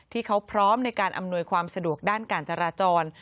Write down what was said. ที่เขาพร้อมในการอำนวยความสะดวกด้านการจราจร